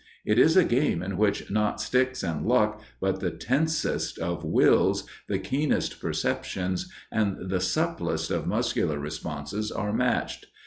It is a game in which not sticks and luck, but the tensest of wills, the keenest perceptions and the supplest of muscular responses are matched....